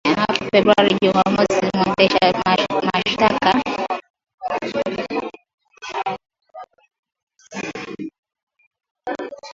hapo Februari Jumamosi mwendesha mashtaka wa kijeshi Joseph Makelele aliiambia mahakama